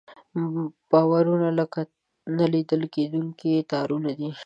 باورونه لکه نه لیدل کېدونکي تارونه دي.